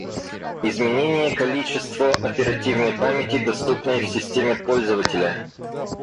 Изменение количество оперативной памяти, доступной в системе пользователя